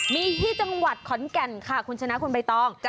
มีที่จังหวัดขอนแก่นค่ะคุณชนะคุณใบตอง